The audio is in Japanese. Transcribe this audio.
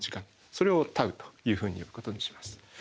それをτというふうに呼ぶことにします。